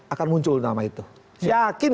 akan muncul nama itu yakin